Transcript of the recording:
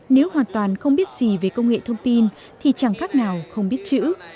nếu hoàn toàn không biết gì về công nghệ thông tin thì chẳng khác nào không biết chữ